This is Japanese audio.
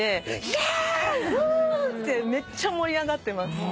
フゥー！」ってめっちゃ盛り上がってます。